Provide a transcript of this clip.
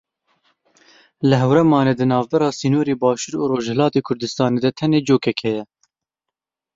Li Hewremanê di navbera sînorê Başûr û Rojhilatê Kurdistanê de tenê cokek heye.